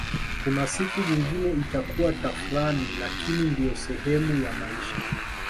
Kuna siku nyingine itakuwa tafrani lakini ndiyo sehemu ya maisha